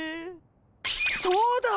そうだ！